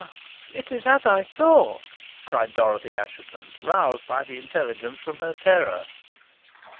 "It is as I thought," cried Dorothy Assheton, roused by the intelligence from her terror.